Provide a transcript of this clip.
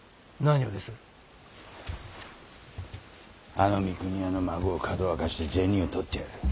あの三国屋の孫をかどわかして銭をとってやる。